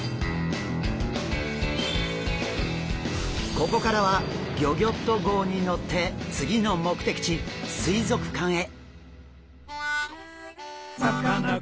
ここからはギョギョッと号に乗って次の目的地水族館へ！